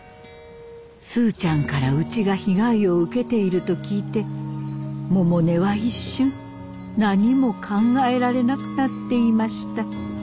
スーちゃんからうちが被害を受けていると聞いて百音は一瞬何も考えられなくなっていました。